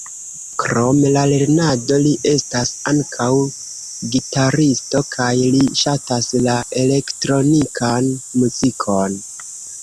Krom la lernado li estas ankaŭ gitaristo kaj li ŝatas la elektronikan muzikon.